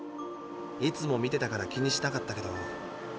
いつも見てたから気にしなかったけど。